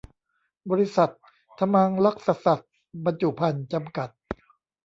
บริษัท ถมังรักษสัตว์บรรจุภัณฑ์ จำกัด